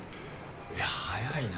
いや速いな。